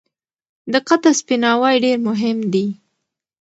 دقت او سپیناوی ډېر مهم دي.